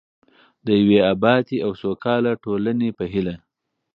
د یوې ابادې او سوکاله ټولنې په هیله.